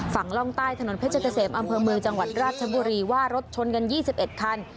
ร่องใต้ถนนเพชรเกษมอำเภอเมืองจังหวัดราชบุรีว่ารถชนกัน๒๑คัน